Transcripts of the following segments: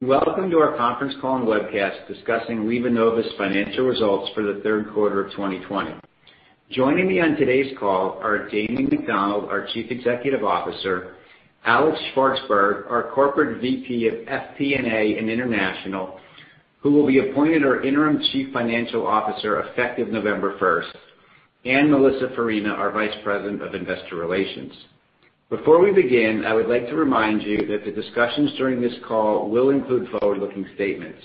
Welcome to our conference call and webcast discussing LivaNova's financial results for the third quarter of 2020. Joining me on today's call are Damien McDonald, our Chief Executive Officer, Alex Shvartsburg, our Corporate VP of FP&A and International, who will be appointed our Interim Chief Financial Officer effective November 1st, and Melissa Farina, our Vice President of Investor Relations. Before we begin, I would like to remind you that the discussions during this call will include forward-looking statements.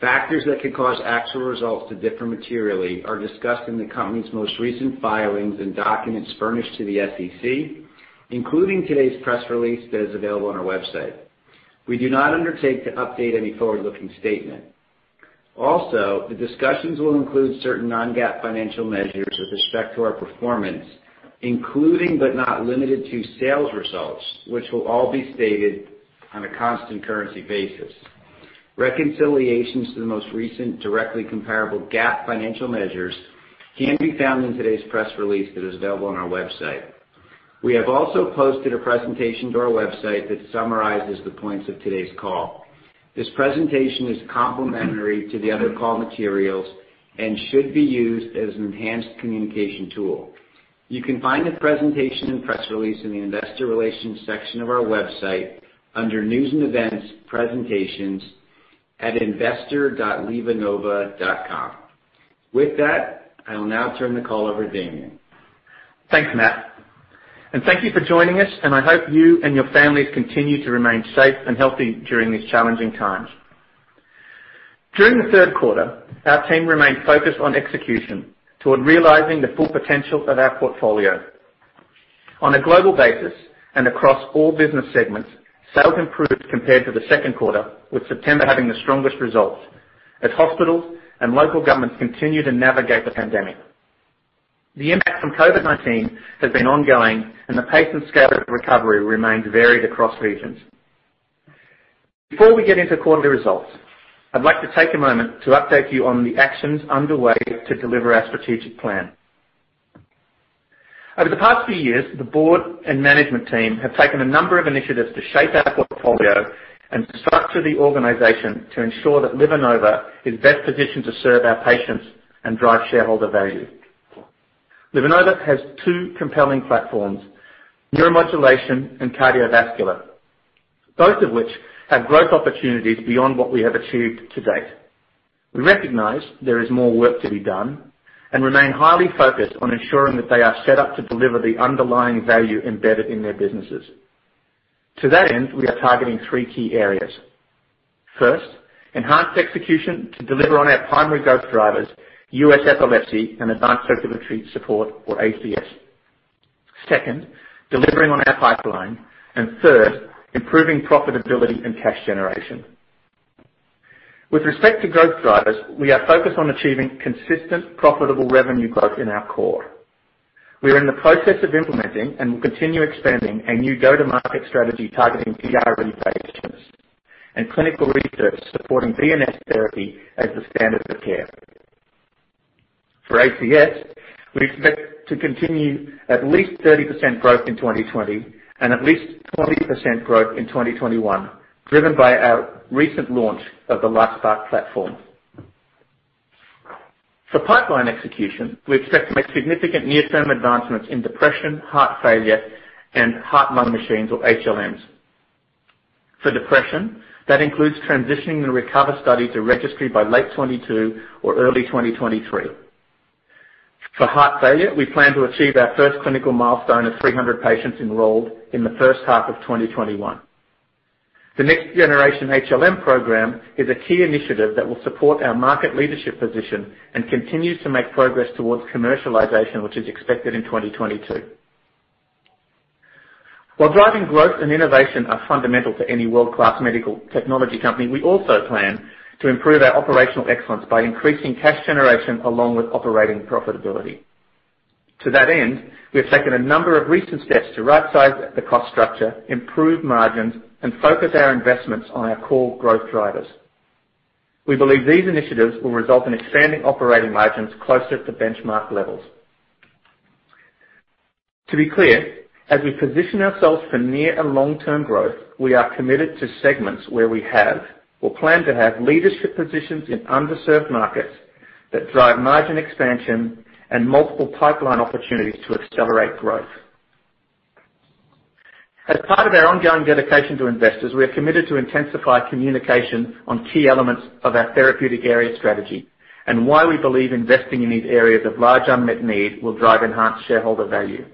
Factors that could cause actual results to differ materially are discussed in the company's most recent filings and documents furnished to the SEC, including today's press release that is available on our website. We do not undertake to update any forward-looking statement. Also, the discussions will include certain non-GAAP financial measures with respect to our performance, including but not limited to sales results, which will all be stated on a constant currency basis. Reconciliations to the most recent directly comparable GAAP financial measures can be found in today's press release that is available on our website. We have also posted a presentation to our website that summarizes the points of today's call. This presentation is complementary to the other call materials and should be used as an enhanced communication tool. You can find the presentation and press release in the investor relations section of our website under News and Events, Presentations at investor.livanova.com. With that, I will now turn the call over to Damien. Thanks, Matt. Thank you for joining us. I hope you and your families continue to remain safe and healthy during these challenging times. During the third quarter, our team remained focused on execution toward realizing the full potential of our portfolio. On a global basis, across all business segments, sales improved compared to the second quarter, with September having the strongest results as hospitals and local governments continue to navigate the pandemic. The impact from COVID-19 has been ongoing. The pace and scale of recovery remains varied across regions. Before we get into quarterly results, I'd like to take a moment to update you on the actions underway to deliver our strategic plan. Over the past few years, the board and management team have taken a number of initiatives to shape our portfolio and to structure the organization to ensure that LivaNova is best positioned to serve our patients and drive shareholder value. LivaNova has two compelling platforms, neuromodulation and cardiovascular, both of which have growth opportunities beyond what we have achieved to date. We recognize there is more work to be done and remain highly focused on ensuring that they are set up to deliver the underlying value embedded in their businesses. To that end, we are targeting three key areas. First, enhanced execution to deliver on our primary growth drivers, U.S. epilepsy, and advanced circulatory support or ACS. Second, delivering on our pipeline. Third, improving profitability and cash generation. With respect to growth drivers, we are focused on achieving consistent, profitable revenue growth in our core. We are in the process of implementing and will continue expanding a new go-to-market strategy targeting [inaudible] patients and clinical research supporting VNS Therapy as the standard of care. For ACS, we expect to continue at least 30% growth in 2020 and at least 20% growth in 2021, driven by our recent launch of the LifeSPARC platform. For pipeline execution, we expect to make significant near-term advancements in depression, heart failure, and heart lung machines or HLMs. For depression, that includes transitioning the RECOVER study to registry by late 2022 or early 2023. For heart failure, we plan to achieve our first clinical milestone of 300 patients enrolled in the first half of 2021. The next generation HLM program is a key initiative that will support our market leadership position and continues to make progress towards commercialization, which is expected in 2022. While driving growth and innovation are fundamental to any world-class medical technology company, we also plan to improve our operational excellence by increasing cash generation along with operating profitability. To that end, we have taken a number of recent steps to rightsize the cost structure, improve margins, and focus our investments on our core growth drivers. We believe these initiatives will result in expanding operating margins closer to benchmark levels. To be clear, as we position ourselves for near and long-term growth, we are committed to segments where we have or plan to have leadership positions in underserved markets that drive margin expansion and multiple pipeline opportunities to accelerate growth. As part of our ongoing dedication to investors, we are committed to intensify communication on key elements of our therapeutic area strategy and why we believe investing in these areas of large unmet need will drive enhanced shareholder value.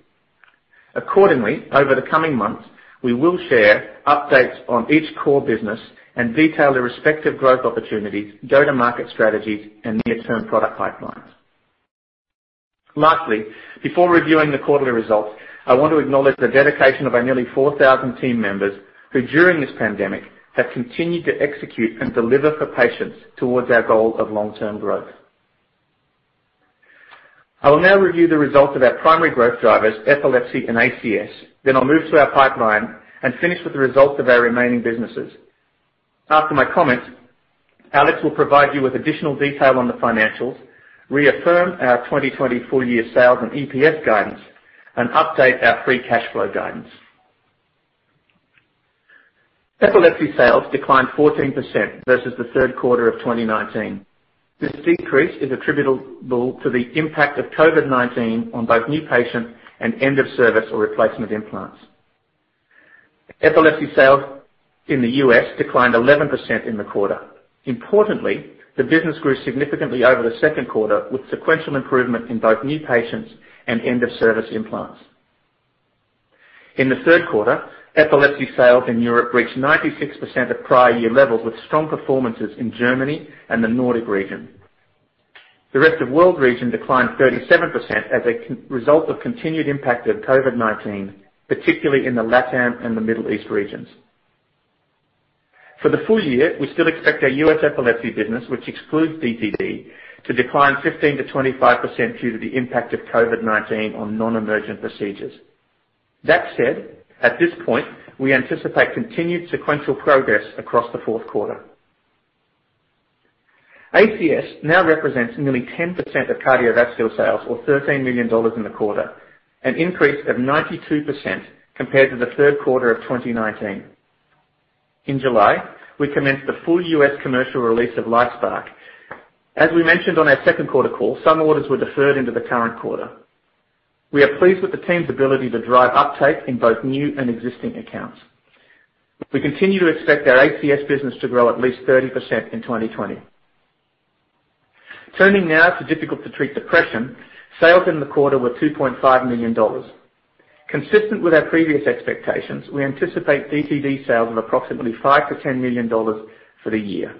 Accordingly, over the coming months, we will share updates on each core business and detail their respective growth opportunities, go-to-market strategies, and near-term product pipelines. Lastly, before reviewing the quarterly results, I want to acknowledge the dedication of our nearly 4,000 team members, who, during this pandemic, have continued to execute and deliver for patients towards our goal of long-term growth. I will now review the results of our primary growth drivers, Epilepsy and ACS. I'll move to our pipeline and finish with the results of our remaining businesses. After my comments, Alex will provide you with additional detail on the financials, reaffirm our 2020 full year sales and EPS guidance, and update our free cash flow guidance. Epilepsy sales declined 14% versus the third quarter of 2019. This decrease is attributable to the impact of COVID-19 on both new patients and end-of-service or replacement implants. Epilepsy sales in the U.S. declined 11% in the quarter. Importantly, the business grew significantly over the second quarter, with sequential improvement in both new patients and end-of-service implants. In the third quarter, epilepsy sales in Europe reached 96% of prior year levels, with strong performances in Germany and the Nordic region. The rest of world region declined 37% as a result of continued impact of COVID-19, particularly in the LATAM and the Middle East regions. For the full year, we still expect our U.S. Epilepsy business, which excludes DTD, to decline 15%-25% due to the impact of COVID-19 on non-emergent procedures. That said, at this point, we anticipate continued sequential progress across the fourth quarter. ACS now represents nearly 10% of cardiovascular sales or $13 million in the quarter, an increase of 92% compared to the third quarter of 2019. In July, we commenced the full U.S. commercial release of LifeSPARC. As we mentioned on our second quarter call, some orders were deferred into the current quarter. We are pleased with the team's ability to drive uptake in both new and existing accounts. We continue to expect our ACS business to grow at least 30% in 2020. Turning now to Difficult-to-Treat Depression, sales in the quarter were $2.5 million. Consistent with our previous expectations, we anticipate DTD sales of approximately $5 million-$10 million for the year.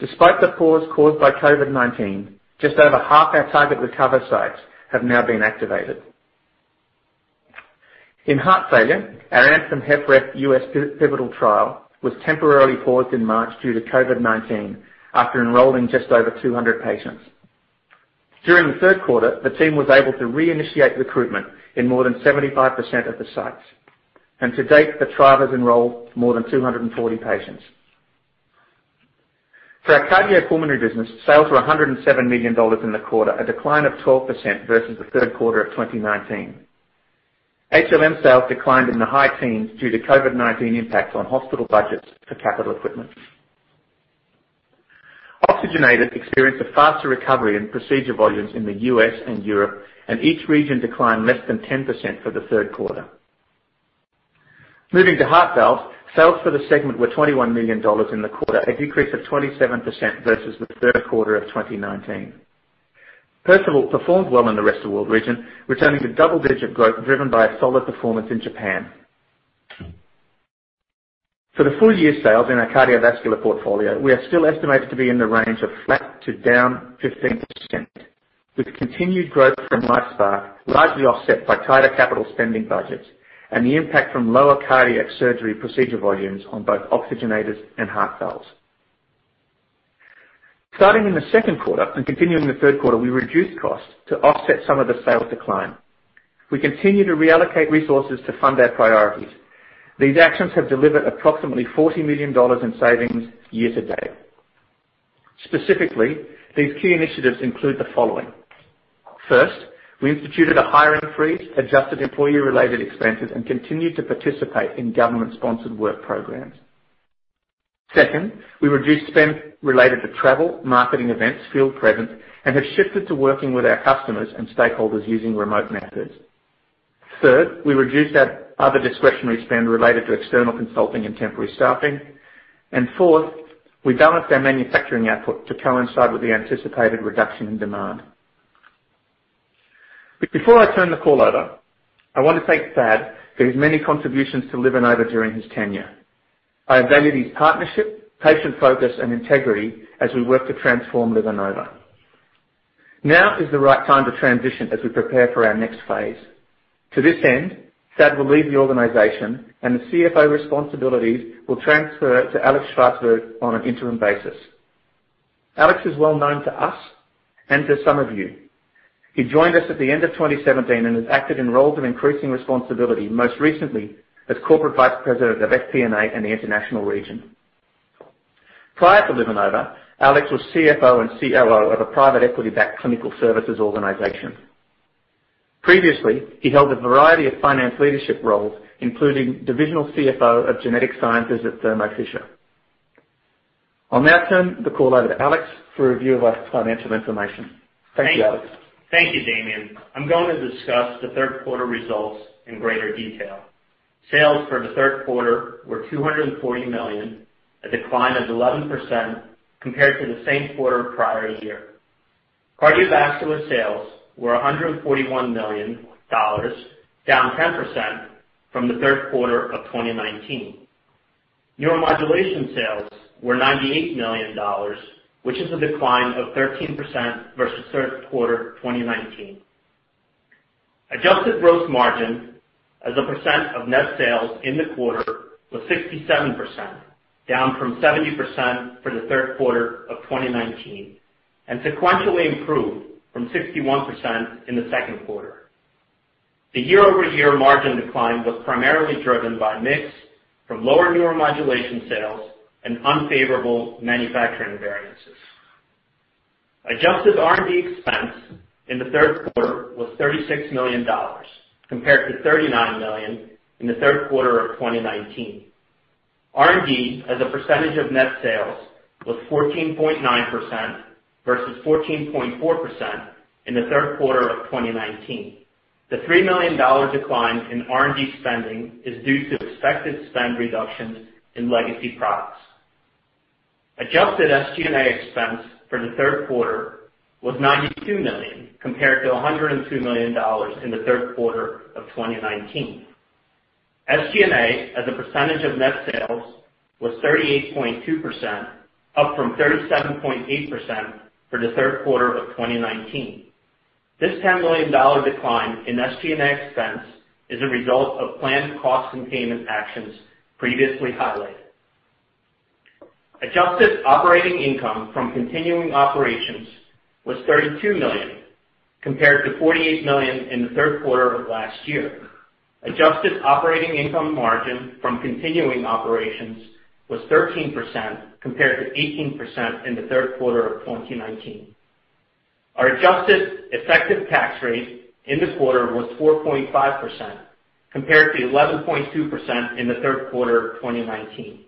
Despite the pause caused by COVID-19, just over half our target RECOVER sites have now been activated. In heart failure, our ANTHEM-HFrEF U.S. pivotal trial was temporarily paused in March due to COVID-19, after enrolling just over 200 patients. During the third quarter, the team was able to reinitiate recruitment in more than 75% of the sites. To date, the trial has enrolled more than 240 patients. For our cardiopulmonary business, sales were $107 million in the quarter, a decline of 12% versus the third quarter of 2019. HLM sales declined in the high teens due to COVID-19 impacts on hospital budgets for capital equipment. Oxygenators experienced a faster recovery in procedure volumes in the U.S. and Europe, and each region declined less than 10% for the third quarter. Moving to heart valves, sales for the segment were $21 million in the quarter, a decrease of 27% versus the third quarter of 2019. Perceval performed well in the rest of world region, returning to double-digit growth, driven by a solid performance in Japan. For the full year sales in our cardiovascular portfolio, we are still estimated to be in the range of flat to down 15%, with continued growth from LifeSPARC, largely offset by tighter capital spending budgets and the impact from lower cardiac surgery procedure volumes on both oxygenators and heart valves. Starting in the second quarter and continuing in the third quarter, we reduced costs to offset some of the sales decline. We continue to reallocate resources to fund our priorities. These actions have delivered approximately $40 million in savings year to date. Specifically, these key initiatives include the following. First, we instituted a hiring freeze, adjusted employee related expenses, and continued to participate in government sponsored work programs. Second, we reduced spend related to travel, marketing events, field presence, and have shifted to working with our customers and stakeholders using remote methods. Third, we reduced our other discretionary spend related to external consulting and temporary staffing. Fourth, we balanced our manufacturing output to coincide with the anticipated reduction in demand. Before I turn the call over, I want to thank Thad for his many contributions to LivaNova during his tenure. I have valued his partnership, patient focus and integrity as we work to transform LivaNova. Now is the right time to transition as we prepare for our next phase. To this end, Thad will leave the organization and the CFO responsibilities will transfer to Alex Shvartsburg on an interim basis. Alex is well known to us and to some of you. He joined us at the end of 2017 and has acted in roles of increasing responsibility, most recently as Corporate Vice President of FP&A and the international region. Prior to LivaNova, Alex was CFO and COO of a private equity backed clinical services organization. Previously, he held a variety of finance leadership roles, including Divisional CFO of Genetic Sciences at Thermo Fisher. I'll now turn the call over to Alex for a review of our financial information. Thank you, Alex. Thank you, Damien. I'm going to discuss the third quarter results in greater detail. Sales for the third quarter were $240 million, a decline of 11% compared to the same quarter prior year. Cardiovascular sales were $141 million, down 10% from the third quarter of 2019. Neuromodulation sales were $98 million, which is a decline of 13% versus third quarter 2019. Adjusted gross margin as a percent of net sales in the quarter was 67%, down from 70% for the third quarter of 2019, and sequentially improved from 61% in the second quarter. The year-over-year margin decline was primarily driven by mix from lower neuromodulation sales and unfavorable manufacturing variances. Adjusted R&D expense in the third quarter was $36 million, compared to $39 million in the third quarter of 2019. R&D as a percentage of net sales was 14.9% versus 14.4% in the third quarter of 2019. The $3 million decline in R&D spending is due to expected spend reductions in legacy products. Adjusted SG&A expense for the third quarter was $92 million, compared to $102 million in the third quarter of 2019. SG&A as a percentage of net sales was 38.2%, up from 37.8% for the third quarter of 2019. This $10 million decline in SG&A expense is a result of planned cost containment actions previously highlighted. Adjusted operating income from continuing operations was $32 million, compared to $48 million in the third quarter of last year. Adjusted operating income margin from continuing operations was 13%, compared to 18% in the third quarter of 2019. Our adjusted effective tax rate in the quarter was 4.5%, compared to 11.2% in the third quarter of 2019.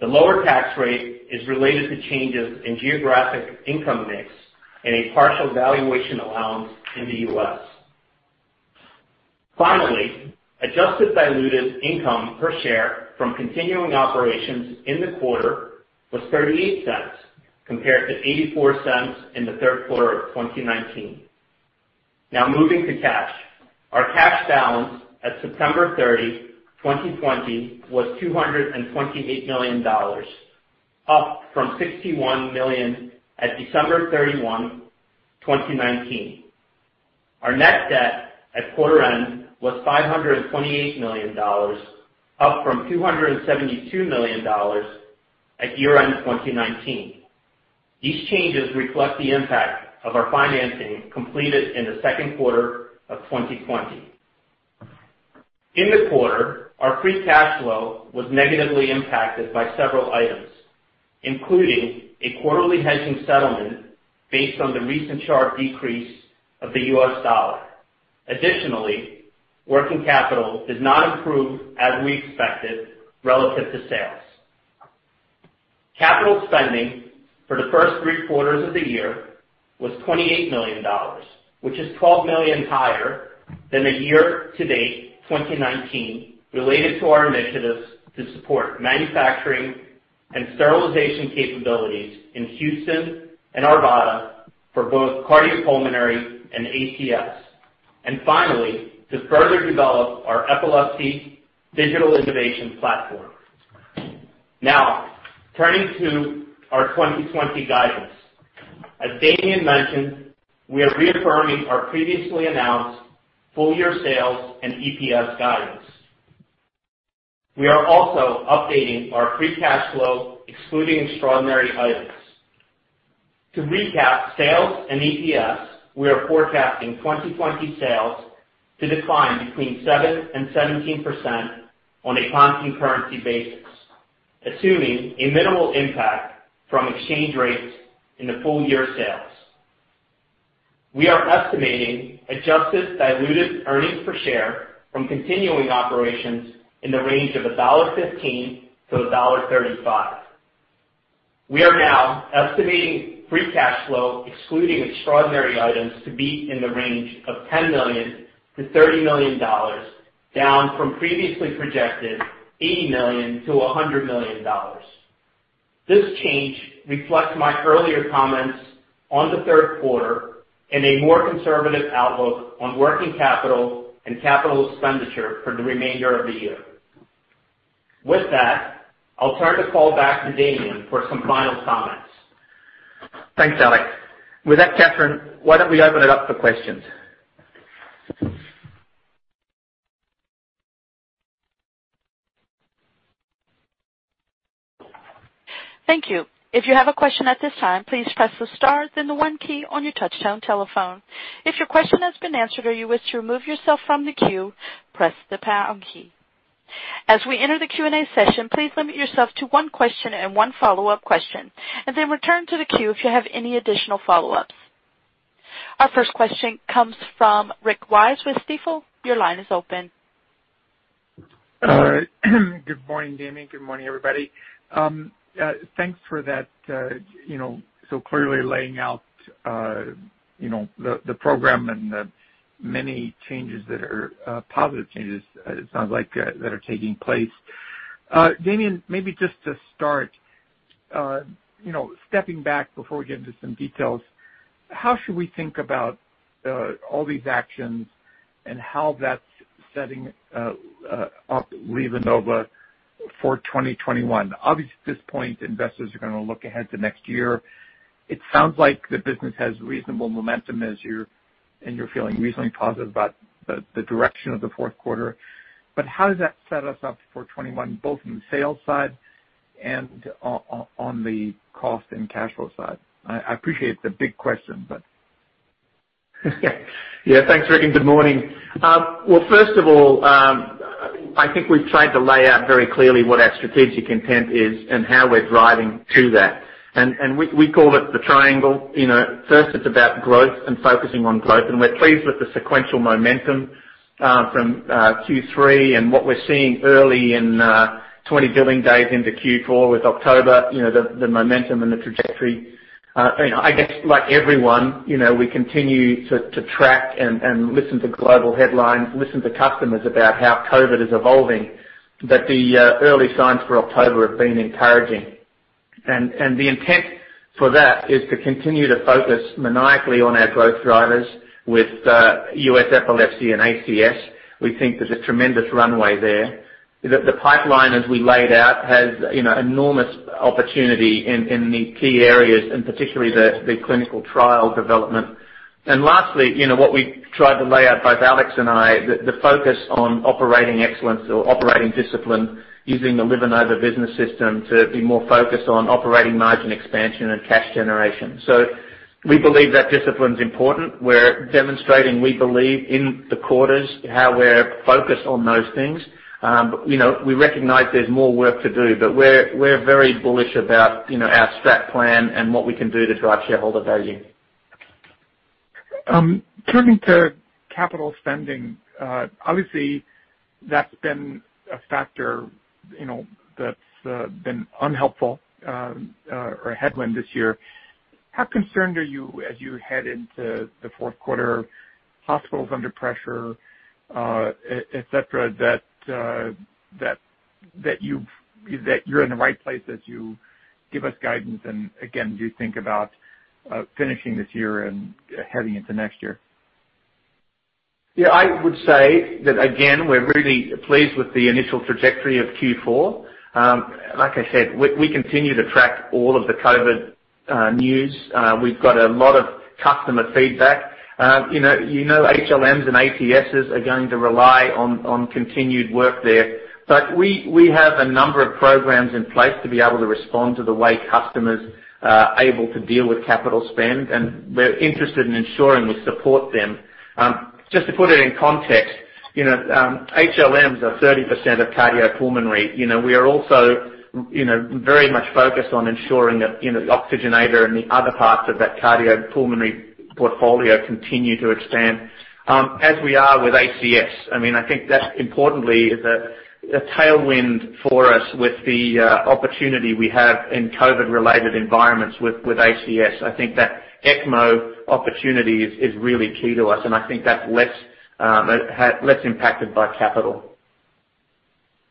The lower tax rate is related to changes in geographic income mix and a partial valuation allowance in the U.S. Finally, adjusted diluted income per share from continuing operations in the quarter was $0.38, compared to $0.84 in the third quarter of 2019. Now moving to cash. Our cash balance at September 30, 2020, was $228 million, up from $51 million at December 31, 2019. Our net debt at quarter end was $528 million, up from $272 million at year end 2019. These changes reflect the impact of our financing completed in the second quarter of 2020. In the quarter, our free cash flow was negatively impacted by several items, including a quarterly hedging settlement based on the recent sharp decrease of the US dollar. Additionally, working capital did not improve as we expected relative to sales. Capital spending for the first three quarters of the year was $28 million, which is $12 million higher than the year to date 2019, related to our initiatives to support manufacturing and sterilization capabilities in Houston and Arvada for both cardiopulmonary and ATS. Finally, to further develop our epilepsy digital innovation platform. Turning to our 2020 guidance. As Damien mentioned, we are reaffirming our previously announced full-year sales and EPS guidance. We are also updating our free cash flow, excluding extraordinary items. To recap sales and EPS, we are forecasting 2020 sales to decline between 7% and 17% on a constant currency basis, assuming a minimal impact from exchange rates in the full-year sales. We are estimating adjusted diluted earnings per share from continuing operations in the range of $1.15-$1.35. We are now estimating free cash flow, excluding extraordinary items, to be in the range of $10 million-$30 million, down from previously projected $80 million-$100 million. This change reflects my earlier comments on the third quarter and a more conservative outlook on working capital and capital expenditure for the remainder of the year. With that, I'll turn the call back to Damien for some final comments. Thanks, Alex. With that, Catherine, why don't we open it up for questions? Thank you. If you have a question at this time, please press the star then the one key on your touch-tone telephone. If your question has been answered or you wish to remove yourself from the queue, press the pound key. As we enter the Q&A session, please limit yourself to one question and one follow-up question, and then return to the queue if you have any additional follow-ups. Our first question comes from Rick Wise with Stifel. Your line is open. Good morning, Damien. Good morning, everybody. Thanks for that. Clearly laying out the program and the many changes that are positive changes, it sounds like, that are taking place. Damien, maybe just to start, stepping back before we get into some details, how should we think about all these actions and how that's setting up LivaNova for 2021? Obviously, at this point, investors are going to look ahead to next year. It sounds like the business has reasonable momentum and you're feeling reasonably positive about the direction of the fourth quarter. How does that set us up for 2021, both in the sales side and on the cost and cash flow side. I appreciate the big question, but Yeah, thanks, Rick, and good morning. Well, first of all, I think we've tried to lay out very clearly what our strategic intent is and how we're driving to that. We call it the triangle. First, it's about growth and focusing on growth. We're pleased with the sequential momentum, from Q3 and what we're seeing early in 20 billing days into Q4 with October, the momentum and the trajectory. I guess, like everyone, we continue to track and listen to global headlines, listen to customers about how COVID is evolving. The early signs for October have been encouraging. The intent for that is to continue to focus maniacally on our growth drivers with U.S. Epilepsy and ACS. We think there's a tremendous runway there. The pipeline, as we laid out, has enormous opportunity in the key areas, and particularly the clinical trial development. Lastly, what we tried to lay out, both Alex and I, the focus on operating excellence or operating discipline using the LivaNova business system to be more focused on operating margin expansion and cash generation. We believe that discipline is important. We're demonstrating, we believe, in the quarters, how we're focused on those things. We recognize there's more work to do. We're very bullish about our strat plan and what we can do to drive shareholder value. Turning to capital spending. Obviously, that's been a factor that's been unhelpful or a headwind this year. How concerned are you as you head into the fourth quarter, hospitals under pressure, et cetera, that you're in the right place as you give us guidance and again, as you think about finishing this year and heading into next year? Yeah, I would say that, again, we're really pleased with the initial trajectory of Q4. Like I said, we continue to track all of the COVID news. We've got a lot of customer feedback. You know HLMs and ATSs are going to rely on continued work there. We have a number of programs in place to be able to respond to the way customers are able to deal with capital spend, and we're interested in ensuring we support them. Just to put it in context, HLMs are 30% of cardiopulmonary. We are also very much focused on ensuring that the Oxygenator and the other parts of that cardiopulmonary portfolio continue to expand, as we are with ACS. I think that importantly is a tailwind for us with the opportunity we have in COVID related environments with ACS. I think that ECMO opportunity is really key to us, and I think that's less impacted by capital.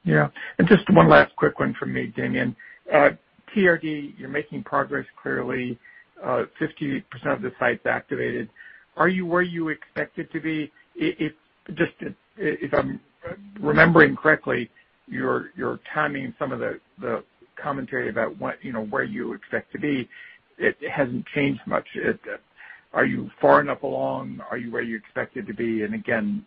Yeah. Just one last quick one from me, Damien. TRD, you're making progress clearly, 50% of the sites activated. Are you where you expected to be? If I'm remembering correctly, your timing, some of the commentary about where you expect to be, it hasn't changed much. Are you far enough along? Are you where you're expected to be? Again,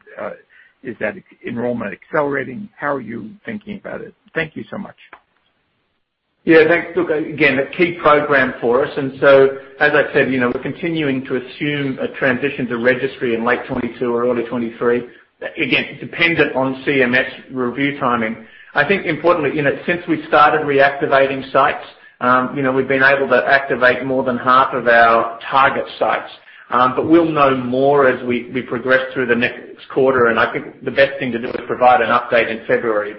is that enrollment accelerating? How are you thinking about it? Thank you so much. Yeah, thanks. Look, again, a key program for us. As I said, we're continuing to assume a transition to registry in late 2022 or early 2023. Again, dependent on CMS review timing. I think importantly, since we started reactivating sites, we've been able to activate more than half of our target sites. We'll know more as we progress through the next quarter, and I think the best thing to do is provide an update in February.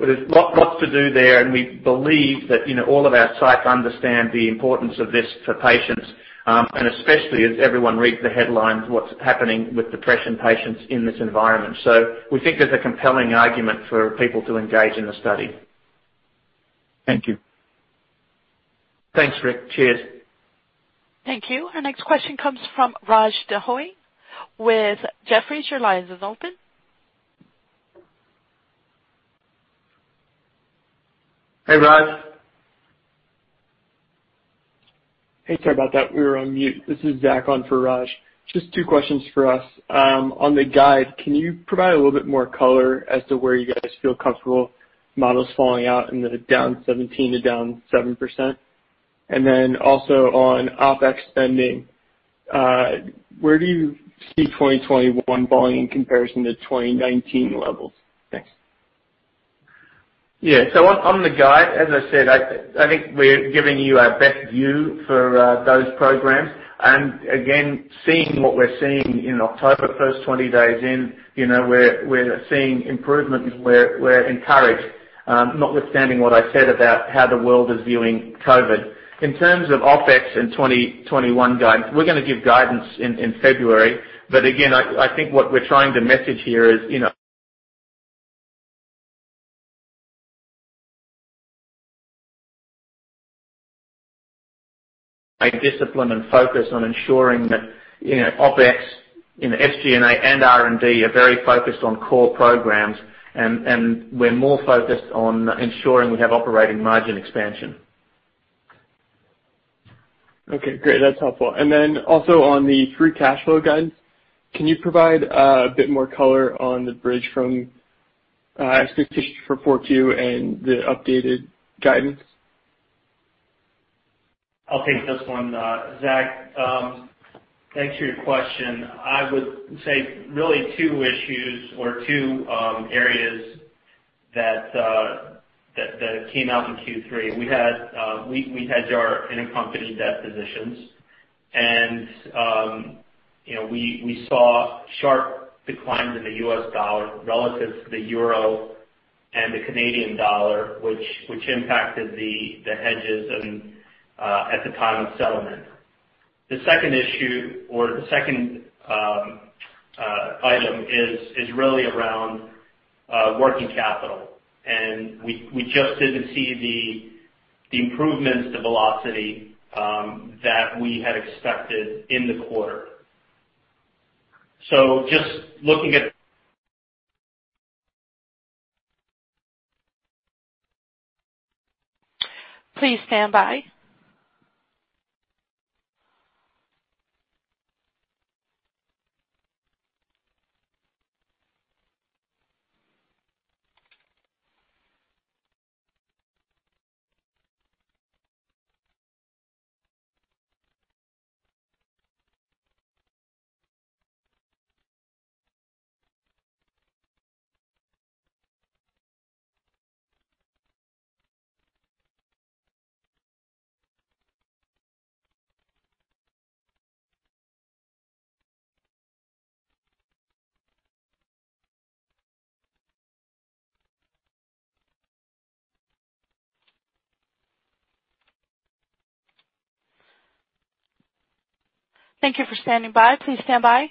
There's lots to do there, and we believe that all of our sites understand the importance of this for patients, and especially as everyone reads the headlines, what's happening with depression patients in this environment. We think there's a compelling argument for people to engage in the study. Thank you. Thanks, Rick. Cheers. Thank you. Our next question comes from Raj Denhoy with Jefferies. Your line is open. Hey, Raj. Hey, sorry about that. We were on mute. This is Zach on for Raj. Just two questions for us. On the guide, can you provide a little bit more color as to where you guys feel comfortable models falling out in the down 17% to down 7%? Also on OpEx spending, where do you see 2021 volume in comparison to 2019 levels? Thanks. Yeah. On the guide, as I said, I think we're giving you our best view for those programs. Again, seeing what we're seeing in October, first 20 days in, we're seeing improvement and we're encouraged, notwithstanding what I said about how the world is viewing COVID-19. In terms of OpEx in 2021 guidance, we're going to give guidance in February. Again, I think what we're trying to message here is a discipline and focus on ensuring that OpEx in SG&A and R&D are very focused on core programs, and we're more focused on ensuring we have operating margin expansion. Okay, great. That's helpful. Also on the free cash flow guidance, can you provide a bit more color on the bridge from expectations for 4Q and the updated guidance? I'll take this one, Zach. Thanks for your question. I would say really two issues or two areas that came out in Q3. We hedged our intercompany debt positions, and we saw sharp declines in the US dollar relative to the euro and the Canadian dollar, which impacted the hedges at the time of settlement. The second issue, or the second item, is really around working capital. We just didn't see the improvements, the velocity that we had expected in the quarter. Just looking at. Please stand by. Thank you for standing by. Please stand by.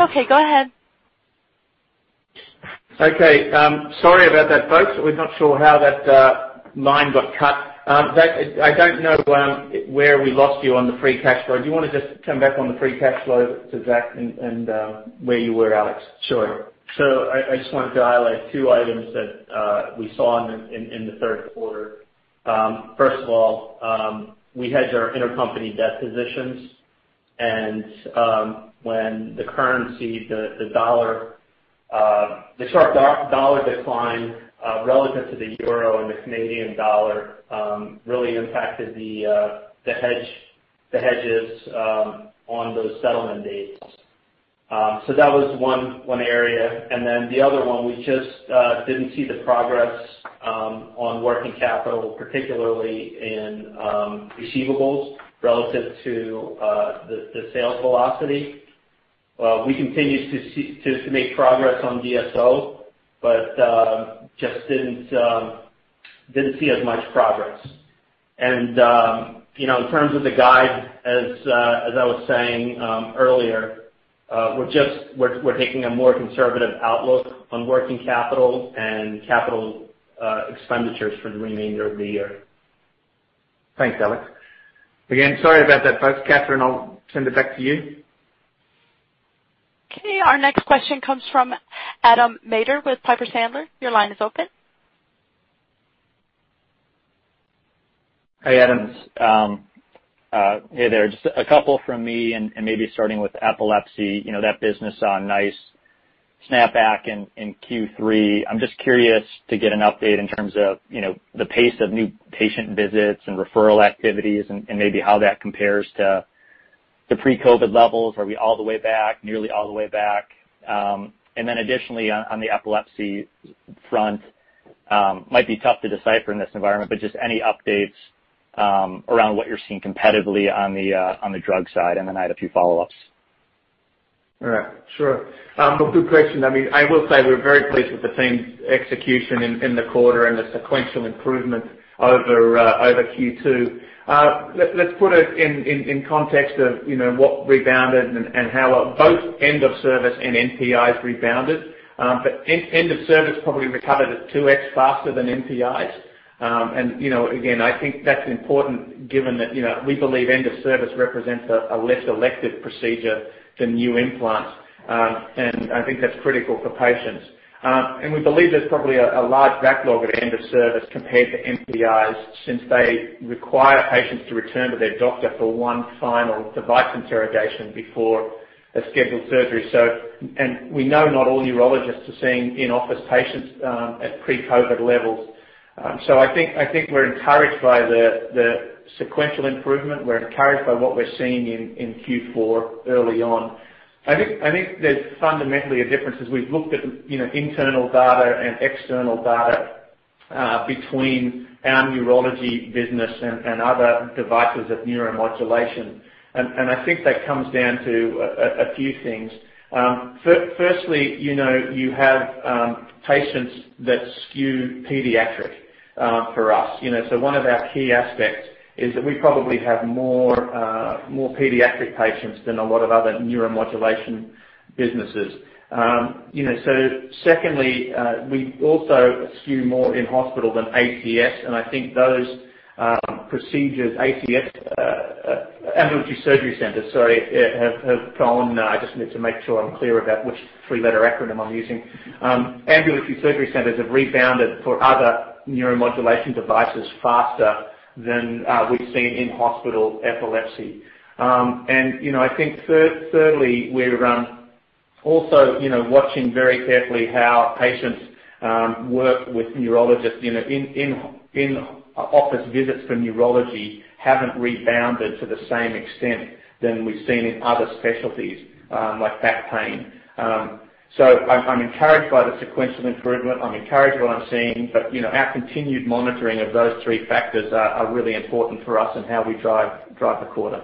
Okay, go ahead. Okay. Sorry about that, folks. We're not sure how that line got cut. Zach, I don't know where we lost you on the free cash flow. Do you want to just come back on the free cash flow to Zach and where you were, Alex? Sure. I just wanted to highlight two items that we saw in the third quarter. First of all, we hedged our intercompany debt positions, and when the currency, the sharp dollar decline relative to the euro and the Canadian dollar really impacted the hedges on those settlement dates. That was one area. The other one, we just didn't see the progress on working capital, particularly in receivables relative to the sales velocity. We continue to make progress on DSO, but just didn't see as much progress. In terms of the guide, as I was saying earlier, we're taking a more conservative outlook on working capital and capital expenditures for the remainder of the year. Thanks, Alex. Again, sorry about that, folks. Catherine, I'll send it back to you. Okay. Our next question comes from Adam Maeder with Piper Sandler. Your line is open. Hey, Adam. Hey there. Just a couple from me. Maybe starting with epilepsy, that business on nice snapback in Q3. I'm just curious to get an update in terms of the pace of new patient visits and referral activities, and maybe how that compares to the pre-COVID levels. Are we all the way back, nearly all the way back? Additionally, on the epilepsy front, might be tough to decipher in this environment, but just any updates around what you're seeing competitively on the drug side. I had a few follow-ups. All right. Sure. Well, good question. I will say we're very pleased with the team's execution in the quarter and the sequential improvement over Q2. Let's put it in context of what rebounded and how well both end of service and NPIs rebounded. End of service probably recovered at 2x faster than NPIs. Again, I think that's important given that we believe end of service represents a less elective procedure than new implants. I think that's critical for patients. We believe there's probably a large backlog at end of service compared to NPIs, since they require patients to return to their doctor for one final device interrogation before a scheduled surgery. We know not all neurologists are seeing in-office patients at pre-COVID levels. I think we're encouraged by the sequential improvement. We're encouraged by what we're seeing in Q4 early on. I think there's fundamentally a difference as we've looked at internal data and external data between our neurology business and other devices of neuromodulation. I think that comes down to a few things. Firstly, you have patients that skew pediatric for us. One of our key aspects is that we probably have more pediatric patients than a lot of other neuromodulation businesses. Secondly, we also skew more in hospital than ACS, and I think those procedures, Ambulatory Surgery Centers, have rebounded for other neuromodulation devices faster than we've seen in hospital epilepsy. I think thirdly, we're also watching very carefully how patients work with neurologists. In office visits for neurology haven't rebounded to the same extent than we've seen in other specialties, like back pain. I'm encouraged by the sequential improvement. I'm encouraged by what I'm seeing. Our continued monitoring of those three factors are really important for us and how we drive the quarter.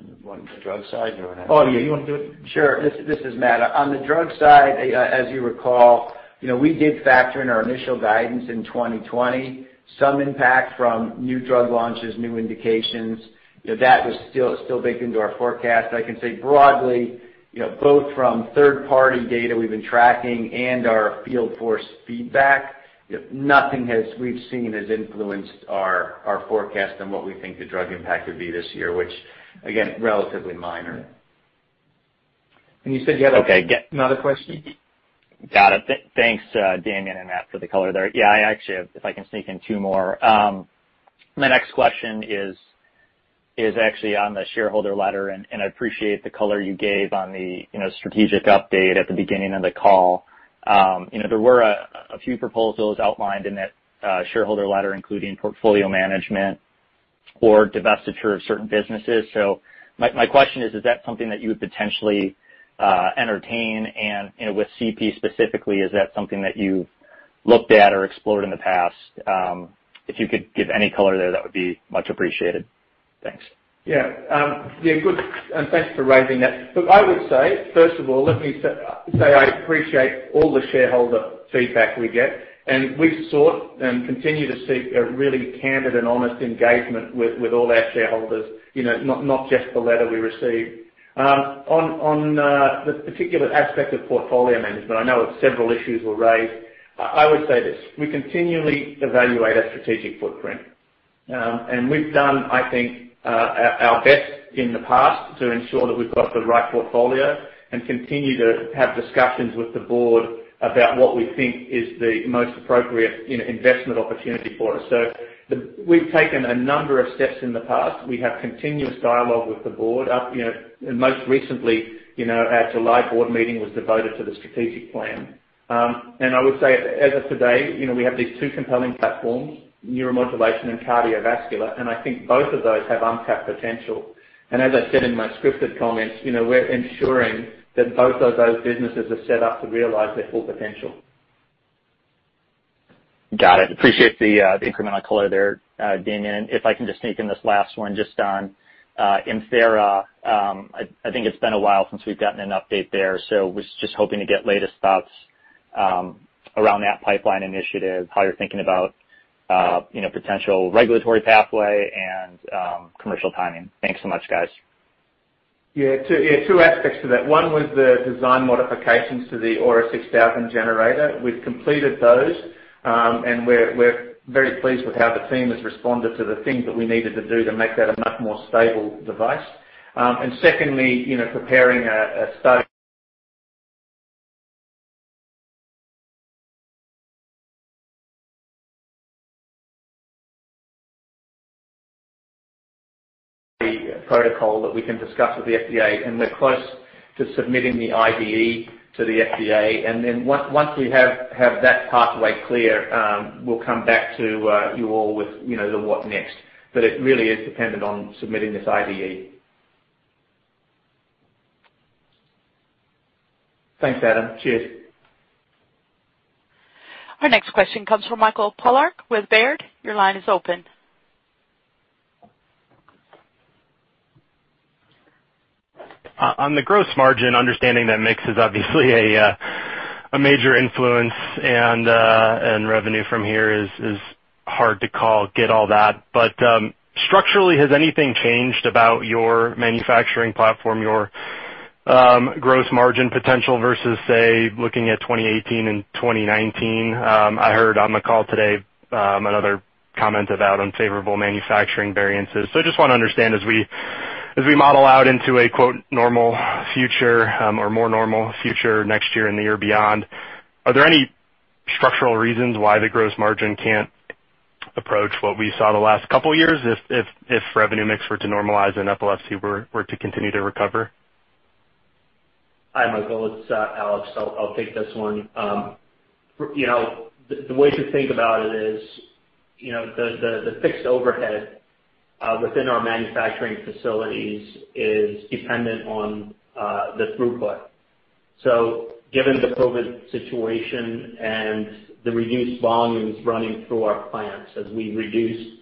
You want the drug side? Oh, yeah. You want to do it? Sure. This is Matt. On the drug side, as you recall, we did factor in our initial guidance in 2020. Some impact from new drug launches, new indications. That was still baked into our forecast. I can say broadly, both from third-party data we've been tracking and our field force feedback, nothing we've seen has influenced our forecast on what we think the drug impact would be this year, which, again, relatively minor. You said. Okay, yeah. Another question? Got it. Thanks, Damien and Matt, for the color there. Yeah, I actually have, if I can sneak in two more. My next question is actually on the shareholder letter, and I appreciate the color you gave on the strategic update at the beginning of the call. There were a few proposals outlined in that shareholder letter, including portfolio management or divestiture of certain businesses. My question is that something that you would potentially entertain? With CP specifically, is that something that you've looked at or explored in the past? If you could give any color there, that would be much appreciated. Thanks. Yeah. Good. Thanks for raising that. Look, I would say, first of all, let me say I appreciate all the shareholder feedback we get. We've sought and continue to seek a really candid and honest engagement with all our shareholders, not just the letter we received. On the particular aspect of portfolio management, I know several issues were raised. I would say this, we continually evaluate our strategic footprint. We've done, I think, our best in the past to ensure that we've got the right portfolio and continue to have discussions with the board about what we think is the most appropriate investment opportunity for us. We've taken a number of steps in the past. We have continuous dialogue with the board. Most recently, our July board meeting was devoted to the strategic plan. I would say, as of today, we have these two compelling platforms, neuromodulation and cardiovascular, and I think both of those have untapped potential. As I said in my scripted comments, we're ensuring that both of those businesses are set up to realize their full potential. Got it. Appreciate the incremental color there, Damien. If I can just sneak in this last one, just on ImThera. I think it's been a while since we've gotten an update there, so was just hoping to get latest thoughts around that pipeline initiative, how you're thinking about potential regulatory pathway and commercial timing. Thanks so much, guys. Yeah. Two aspects to that. One was the design modifications to the aura6000 generator. We've completed those, and we're very pleased with how the team has responded to the things that we needed to do to make that a much more stable device. Secondly, preparing a study. Protocol that we can discuss with the FDA, and we're close to submitting the IDE to the FDA. Then once we have that pathway clear, we'll come back to you all with the what next. It really is dependent on submitting this IDE. Thanks, Adam. Cheers. Our next question comes from Michael Polark with Baird. Your line is open. On the gross margin, understanding that mix is obviously a major influence, and revenue from here is hard to call, get all that. Structurally, has anything changed about your manufacturing platform, your gross margin potential versus, say, looking at 2018 and 2019? I heard on the call today another comment about unfavorable manufacturing variances. I just want to understand as we model out into a normal future or more normal future next year and the year beyond, are there any structural reasons why the gross margin can't approach what we saw the last couple of years if revenue mix were to normalize and epilepsy were to continue to recover? Hi, Michael, it's Alex. I'll take this one. The way to think about it is, the fixed overhead within our manufacturing facilities is dependent on the throughput. Given the COVID situation and the reduced volumes running through our plants as we reduce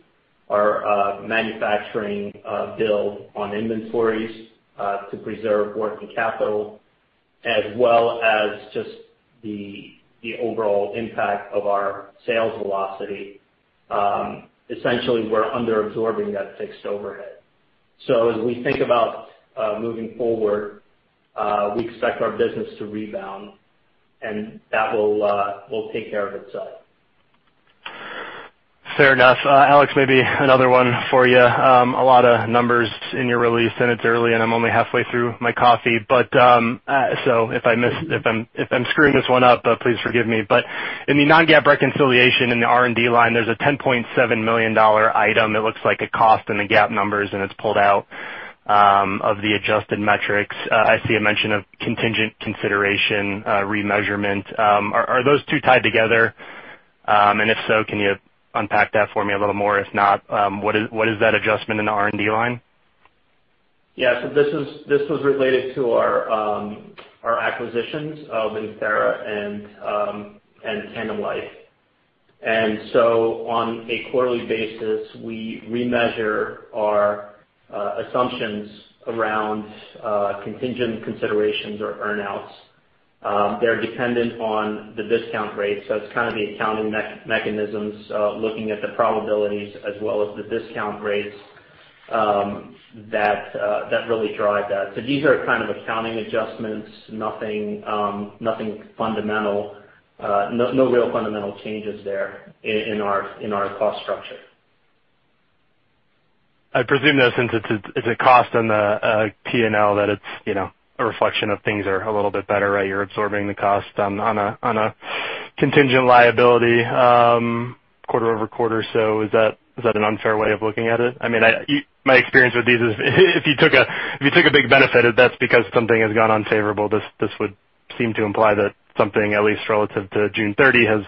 our manufacturing build on inventories to preserve working capital as well as just the overall impact of our sales velocity, essentially, we're under-absorbing that fixed overhead. As we think about moving forward, we expect our business to rebound, and that will take care of itself. Fair enough. Alex, maybe another one for you. A lot of numbers in your release, and it's early, and I'm only halfway through my coffee, so if I'm screwing this one up, please forgive me. In the non-GAAP reconciliation in the R&D line, there's a $10.7 million item that looks like a cost in the GAAP numbers, and it's pulled out of the adjusted metrics. I see a mention of contingent consideration, remeasurement. Are those two tied together? If so, can you unpack that for me a little more? If not, what is that adjustment in the R&D line? Yeah. This was related to our acquisitions of ImThera and TandemLife. On a quarterly basis, we remeasure our assumptions around contingent considerations or earn-outs. They're dependent on the discount rate, so it's kind of the accounting mechanisms looking at the probabilities as well as the discount rates that really drive that. These are kind of accounting adjustments, nothing fundamental. No real fundamental changes there in our cost structure. I presume, though, since it's a cost on the P&L that it's a reflection of things are a little bit better, right? You're absorbing the cost on a contingent liability quarter-over-quarter. Is that an unfair way of looking at it? My experience with these is if you took a big benefit, that's because something has gone unfavorable. This would seem to imply that something, at least relative to June 30, has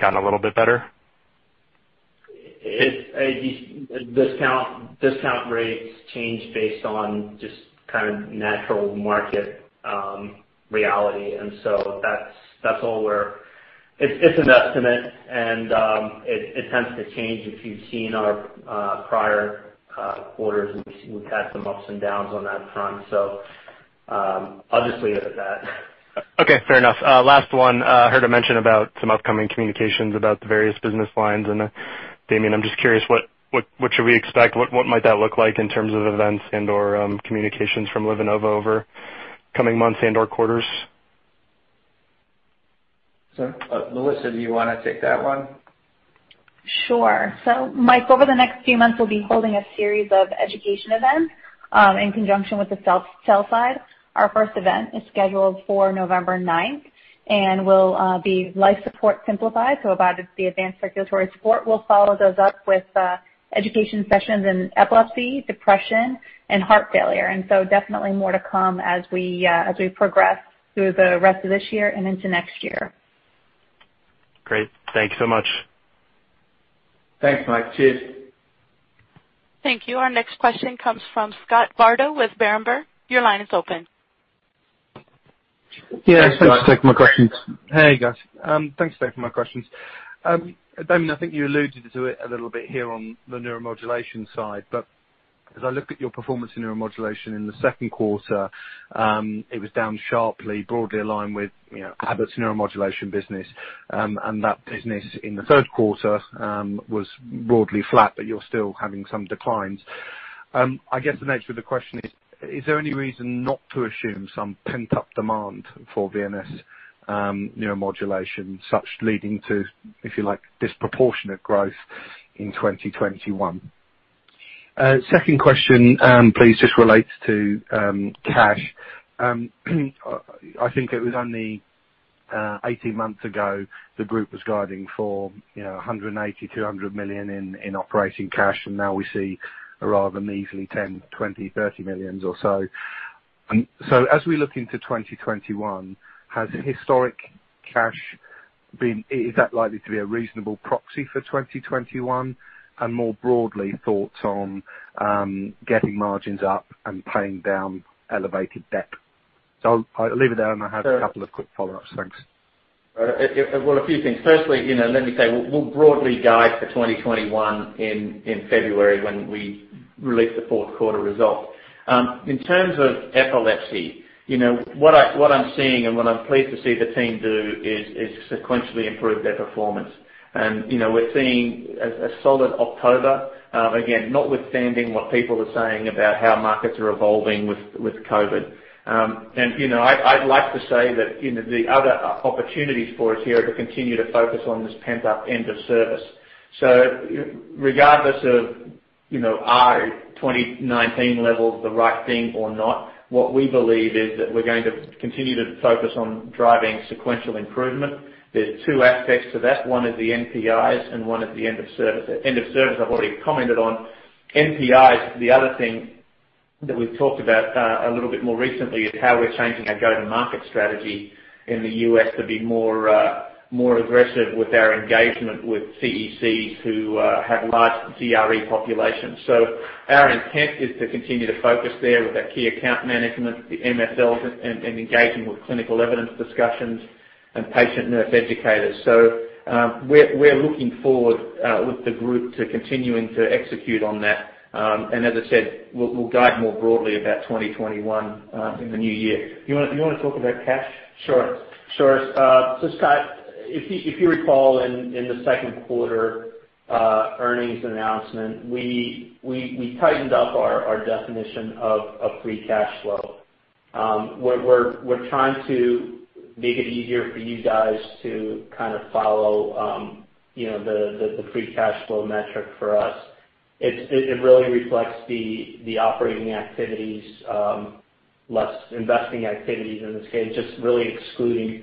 gotten a little bit better. Discount rates change based on just natural market reality. It's an estimate, and it tends to change. If you've seen our prior quarters, we've had some ups and downs on that front. I'll just leave it at that. Okay, fair enough. Last one. I heard a mention about some upcoming communications about the various business lines. Damien, I'm just curious, what should we expect? What might that look like in terms of events and/or communications from LivaNova over coming months and/or quarters? Melissa, do you want to take that one? Sure. Mike, over the next few months, we'll be holding a series of education events in conjunction with the sales side. Our first event is scheduled for November 9th and will be Life Support Simplified, so about the advanced circulatory support. We'll follow those up with education sessions in epilepsy, depression, and heart failure. Definitely more to come as we progress through the rest of this year and into next year. Great. Thank you so much. Thanks, Mike. Cheers. Thank you. Our next question comes from Scott Bardo with Berenberg. Your line is open. Yes. Thanks for taking my questions. Hey, guys. Thanks for taking my questions. Damien, I think you alluded to it a little bit here on the neuromodulation side, but as I look at your performance in neuromodulation in the second quarter, it was down sharply, broadly aligned with Abbott's neuromodulation business. That business in the third quarter was broadly flat, but you're still having some declines. I guess the nature of the question is there any reason not to assume some pent-up demand for VNS neuromodulation, such leading to, if you like, disproportionate growth in 2021? Second question please, this relates to cash. I think it was on the 18 months ago, the group was guiding for $180 million, $200 million in operating cash, and now we see a rather measly $10 million, $20 million, $30 million or so. As we look into 2021, has historic cash, is that likely to be a reasonable proxy for 2021? More broadly, thoughts on getting margins up and paying down elevated debt. I'll leave it there, and I have a couple of quick follow-ups. Thanks. Well, a few things. Firstly, let me say, we'll broadly guide for 2021 in February when we release the fourth quarter results. In terms of epilepsy, what I'm seeing and what I'm pleased to see the team do is sequentially improve their performance. We're seeing a solid October. Again, notwithstanding what people are saying about how markets are evolving with COVID. I'd like to say that the other opportunities for us here are to continue to focus on this pent-up end of service. Regardless of are 2019 levels the right thing or not, what we believe is that we're going to continue to focus on driving sequential improvement. There's two aspects to that. One is the NPIs and one is the end of service. End of service, I've already commented on. NPI is the other thing that we've talked about a little bit more recently is how we're changing our go-to-market strategy in the U.S. to be more aggressive with our engagement with CECs who have large DRE populations. Our intent is to continue to focus there with our key account management, the MSLs, and engaging with clinical evidence discussions and patient nurse educators. We're looking forward with the group to continuing to execute on that. As I said, we'll guide more broadly about 2021 in the new year. You want to talk about cash? Sure. Scott, if you recall in the second quarter earnings announcement, we tightened up our definition of free cash flow. We're trying to make it easier for you guys to follow the free cash flow metric for us. It really reflects the operating activities, less investing activities in this case, just really excluding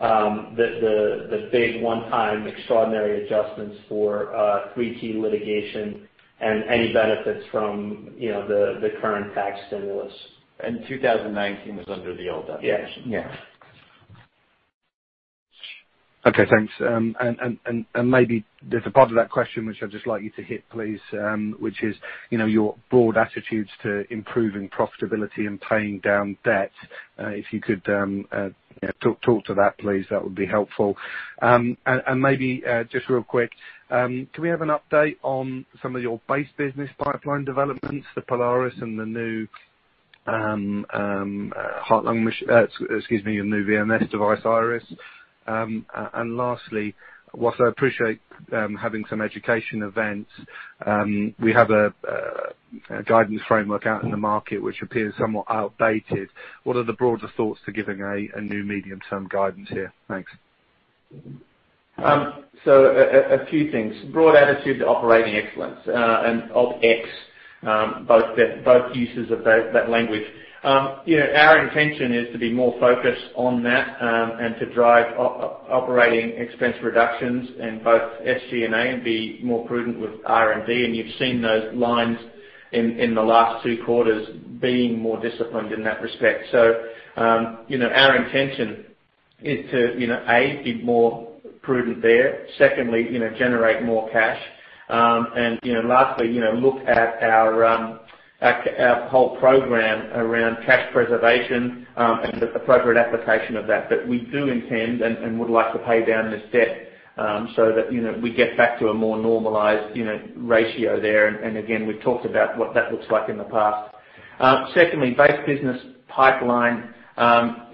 the big one-time extraordinary adjustments for 3T litigation and any benefits from the current tax stimulus. 2019 was under the old definition. Yeah. Okay, thanks. Maybe there's a part of that question which I'd just like you to hit, please, which is your broad attitudes to improving profitability and paying down debt. If you could talk to that, please, that would be helpful. Maybe, just real quick, can we have an update on some of your base business pipeline developments, the Polaris and the new VNS device, Iris? Lastly, whilst I appreciate having some education events, we have a guidance framework out in the market which appears somewhat outdated. What are the broader thoughts to giving a new medium-term guidance here? Thanks. A few things. Broad attitude to operating excellence and OpEx, both uses of that language. Our intention is to be more focused on that and to drive operating expense reductions in both SG&A and be more prudent with R&D, and you've seen those lines in the last two quarters being more disciplined in that respect. Our intention is to, A, be more prudent there. Secondly, generate more cash. Lastly, look at our whole program around cash preservation, and the appropriate application of that. We do intend and would like to pay down this debt, so that we get back to a more normalized ratio there. Again, we've talked about what that looks like in the past. Secondly, base business pipeline.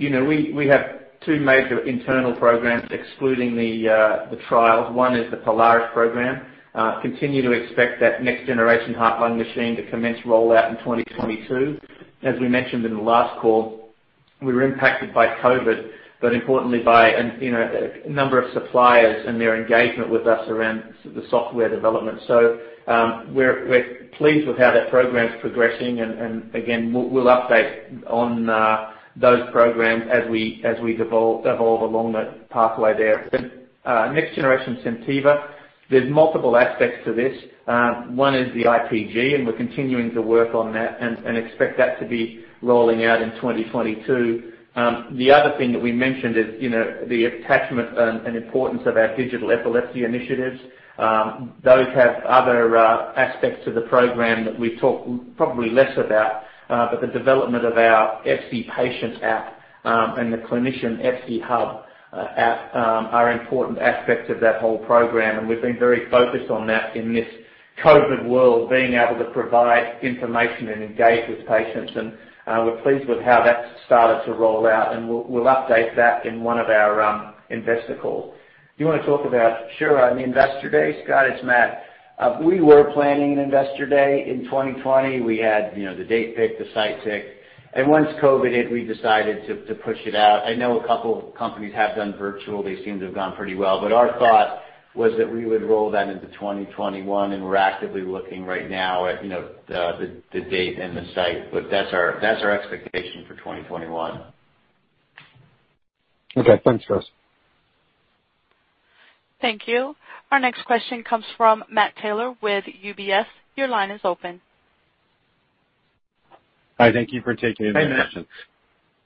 We have two major internal programs excluding the trials. One is the Polaris program. Continue to expect that next generation heart-lung machine to commence rollout in 2022. As we mentioned in the last call, we were impacted by COVID-19, importantly by a number of suppliers and their engagement with us around the software development. We're pleased with how that program's progressing, again, we'll update on those programs as we evolve along that pathway there. Next generation SenTiva, there's multiple aspects to this. One is the IPG, we're continuing to work on that, expect that to be rolling out in 2022. The other thing that we mentioned is the attachment and importance of our digital epilepsy initiatives. Those have other aspects to the program that we've talked probably less about. The development of our EP patient app, and the clinician EP hub app are important aspects of that whole program, and we've been very focused on that in this COVID world, being able to provide information and engage with patients. We're pleased with how that's started to roll out, and we'll update that in one of our investor calls. You wanna talk about. Sure. The Investor Day? Scott, it's Matt. We were planning an Investor Day in 2020. We had the date picked, the site picked. Once COVID hit, we decided to push it out. I know a couple of companies have done virtual. They seem to have gone pretty well. Our thought was that we would roll that into 2021, and we're actively looking right now at the date and the site. That's our expectation for 2021. Okay. Thanks, guys. Thank you. Our next question comes from Matt Taylor with UBS. Your line is open. Hi, thank you for taking my question.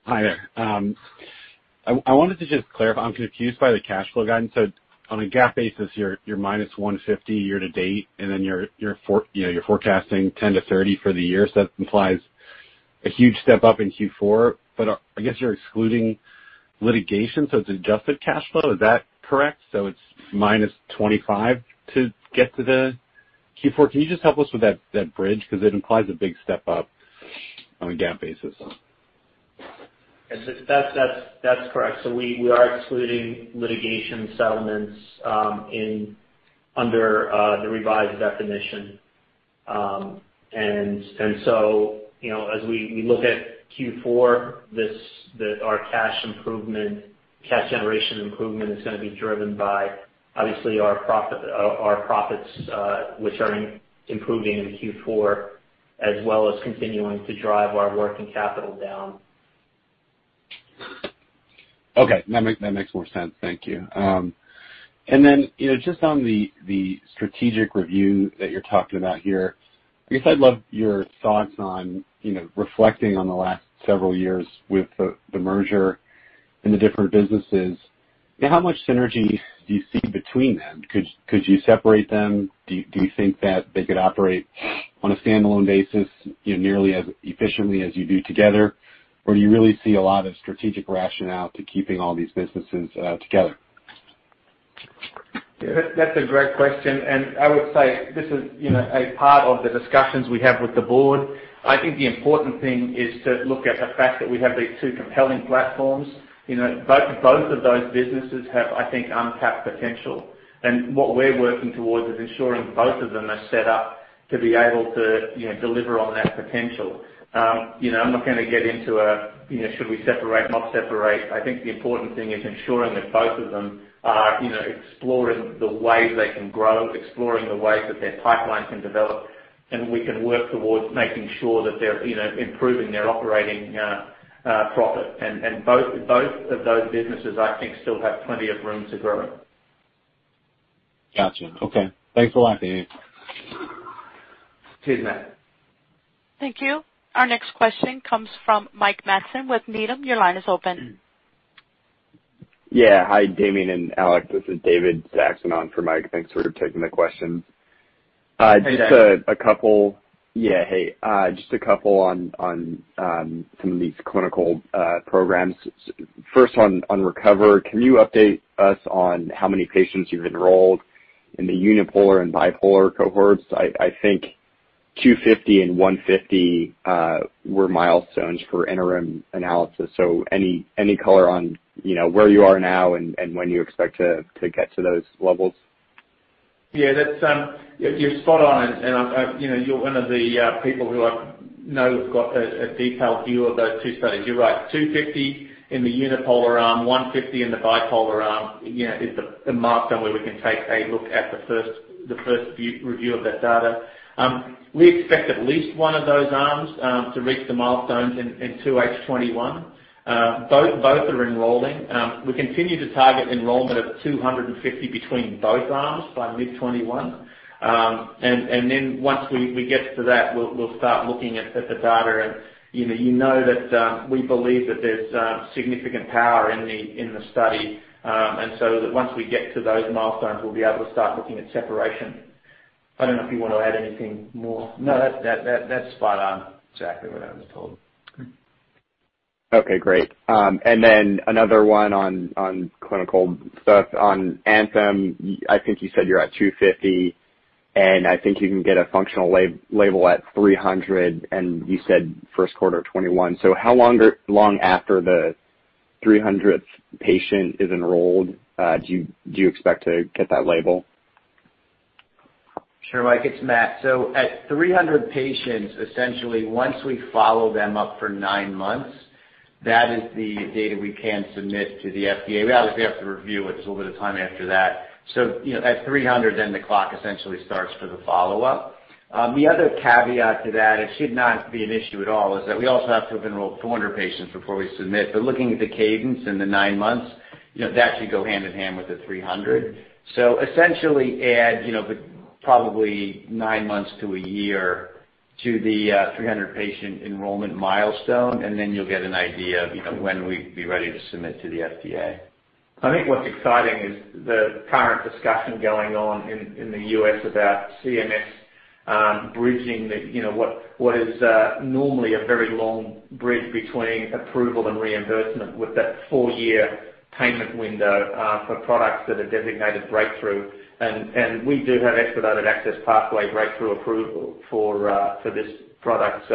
Hey, Matt. Hi there. I wanted to just clarify, I'm confused by the cash flow guidance. On a GAAP basis, you're -$150 year to date, and then you're forecasting $10-$30 for the year. That implies a huge step up in Q4. I guess you're excluding litigation, so it's adjusted cash flow. Is that correct? It's -$25 to get to the Q4. Can you just help us with that bridge? It implies a big step up on a GAAP basis. That's correct. We are excluding litigation settlements under the revised definition. As we look at Q4, our cash generation improvement is going to be driven by obviously our profits, which are improving in Q4, as well as continuing to drive our working capital down. Okay. That makes more sense. Thank you. Just on the strategic review that you're talking about here, I guess I'd love your thoughts on reflecting on the last several years with the merger and the different businesses. How much synergy do you see between them? Could you separate them? Do you think that they could operate on a standalone basis, nearly as efficiently as you do together? Do you really see a lot of strategic rationale to keeping all these businesses together? That's a great question, and I would say this is a part of the discussions we have with the board. I think the important thing is to look at the fact that we have these two compelling platforms. Both of those businesses have, I think, untapped potential. What we're working towards is ensuring both of them are set up to be able to deliver on that potential. I'm not going to get into should we separate, not separate? I think the important thing is ensuring that both of them are exploring the ways they can grow, exploring the ways that their pipeline can develop, and we can work towards making sure that they're improving their operating profit. Both of those businesses, I think, still have plenty of room to grow. Got you. Okay. Thanks for the update. Cheers, Matt. Thank you. Our next question comes from Mike Matson with Needham. Your line is open. Yeah. Hi, Damien and Alex. This is David Saxon on for Mike. Thanks for taking the question. Hey, David. Yeah, hey. Just a couple on some of these clinical programs. First on RECOVER, can you update us on how many patients you've enrolled in the unipolar and bipolar cohorts? I think 250 and 150 were milestones for interim analysis. Any color on where you are now and when you expect to get to those levels? Yeah. You're spot on, and you're one of the people who I know has got a detailed view of those two studies. You're right. 250 in the unipolar arm, 150 in the bipolar arm is the milestone where we can take a look at the first review of that data. We expect at least one of those arms to reach the milestones in 2H 2021. Both are enrolling. We continue to target enrollment of 250 between both arms by mid 2021. Then once we get to that, we will start looking at the data. You know that we believe that there is significant power in the study. So once we get to those milestones, we will be able to start looking at separation. I do not know if you want to add anything more. No, that's spot on. Exactly what I was told. Okay, great. Another one on clinical stuff. On ANTHEM, I think you said you're at 250, and I think you can get a functional label at 300, and you said first quarter 2021. How long after the 300th patient is enrolled do you expect to get that label? Sure, Mike, it's Matt. At 300 patients, essentially, once we follow them up for nine months, that is the data we can submit to the FDA. We obviously have to review it. There's a little bit of time after that. At 300, the clock essentially starts for the follow-up. The other caveat to that, it should not be an issue at all, is that we also have to have enrolled 400 patients before we submit. Looking at the cadence and the nine months, that should go hand in hand with the 300. Essentially add probably nine months to a year to the 300-patient enrollment milestone, and then you'll get an idea of when we'd be ready to submit to the FDA. I think what's exciting is the current discussion going on in the U.S. about CMS bridging what is normally a very long bridge between approval and reimbursement with that four-year payment window for products that are designated breakthrough. We do have Expedited Access Pathway Breakthrough Approval for this product.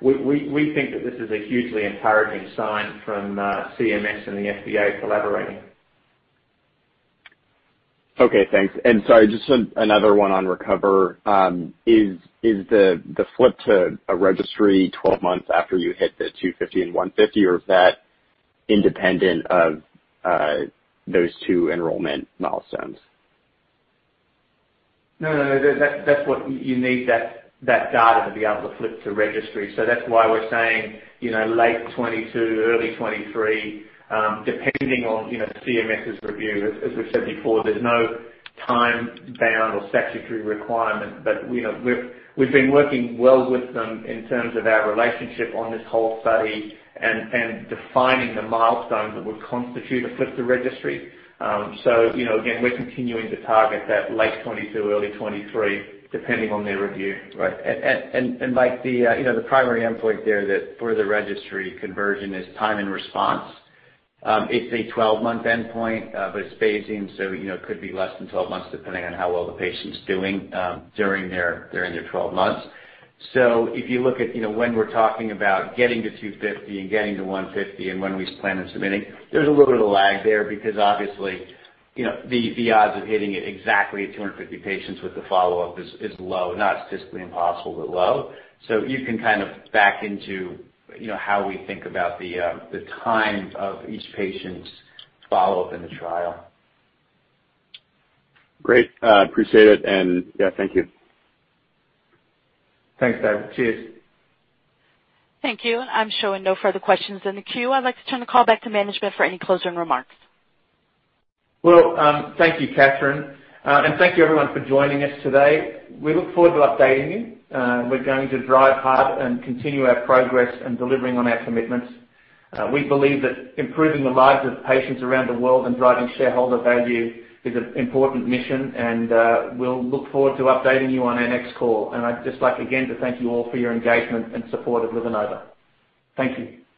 We think that this is a hugely encouraging sign from CMS and the FDA collaborating. Okay, thanks. Sorry, just another one on RECOVER. Is the flip to a registry 12 months after you hit the 250 and 150, or is that independent of those two enrollment milestones? No, you need that data to be able to flip to registry. That's why we're saying late 2022, early 2023, depending on CMS's review. As we've said before, there's no time bound or statutory requirement. We've been working well with them in terms of our relationship on this whole study and defining the milestones that would constitute a flip to registry. Again, we're continuing to target that late 2022, early 2023, depending on their review. Right. Mike, the primary endpoint there for the registry conversion is time and response. It's a 12-month endpoint, It's phasing, It could be less than 12 months, depending on how well the patient's doing during their 12 months. If you look at when we're talking about getting to 250 and getting to 150 and when we plan on submitting, there's a little bit of lag there because obviously, the odds of hitting it exactly at 250 patients with the follow-up is low. Not statistically impossible, low. You can kind of back into how we think about the time of each patient's follow-up in the trial. Great. Appreciate it, and yeah, thank you. Thanks, David. Cheers. Thank you. I'm showing no further questions in the queue. I'd like to turn the call back to management for any closing remarks. Well, thank you, Catherine. Thank you, everyone, for joining us today. We look forward to updating you. We're going to drive hard and continue our progress in delivering on our commitments. We believe that improving the lives of patients around the world and driving shareholder value is an important mission, and we'll look forward to updating you on our next call. I'd just like, again, to thank you all for your engagement and support of LivaNova. Thank you.